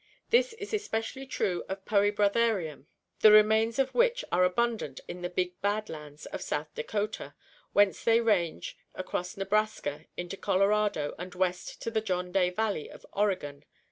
This is es pecially true of Poe broiherium (Figs. 23x> 232)> the re mains of which are abundant in the "Big Bad Lands" of South Dakota, whence they range across Nebraska into Colorado and west to the John Day valley of Oregon.